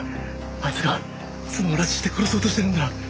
あいつが妻を拉致して殺そうとしてるんだ。